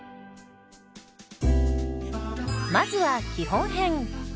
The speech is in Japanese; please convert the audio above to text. まずは基本編。